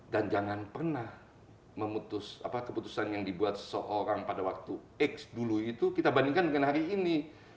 dan jangan pernah memutus keputusan yang dibuat seseorang pada waktu ex dulu itu kita bandingkan dengan hari ini